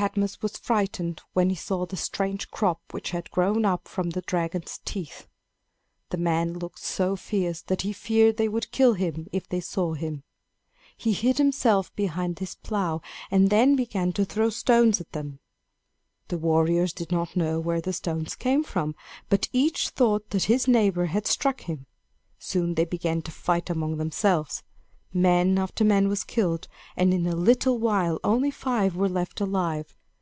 Cadmus was frightened when he saw the strange crop which had grown up from the dragon's teeth. The men looked so fierce that he feared they would kill him if they saw him. He hid himself behind his plow and then began to throw stones at them. The warriors did not know where the stones came from, but each thought that his neighbor had struck him. Soon they began to fight among themselves. Man after man was killed, and in a little while only five were left alive.